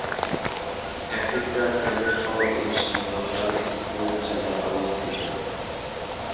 অ্যাটিকা Seneca East local school জেলায় অবস্থিত।